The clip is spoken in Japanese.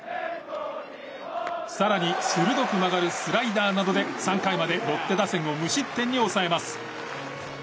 更に鋭く曲がるスライダーなどで３回までロッテ打線を無失点に抑えます。